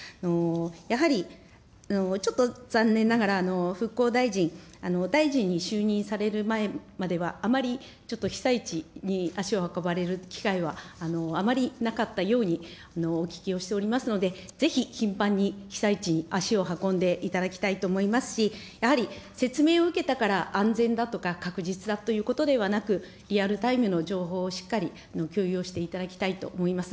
やはりちょっと残念ながら、復興大臣、大臣に就任される前まではあまりちょっと被災地に足を運ばれる機会はあまりなかったようにお聞きをしておりますので、ぜひ頻繁に被災地に足を運んでいただきたいと思いますし、やはり説明を受けたから安全だとか、確実だということではなく、リアルタイムの情報をしっかり共有をしていただきたいと思います。